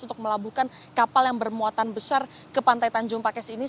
untuk melabuhkan kapal yang bermuatan besar ke pantai tanjung pakis ini